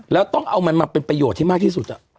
แล้วต้องเอามันมาเป็นประโยชน์ให้มากที่สุด